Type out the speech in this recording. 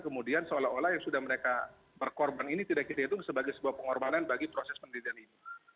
kemudian seolah olah yang sudah mereka berkorban ini tidak kita hitung sebagai sebuah pengorbanan bagi proses pendirian ini